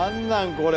これ。